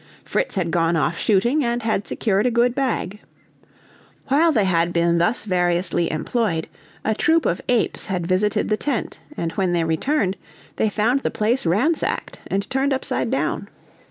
Fritz had gone off shooting and had secured a good bag. While they had been thus variously employed, a troop of apes had visited the tent, and when they returned, they found the place ransacked and turned upside down.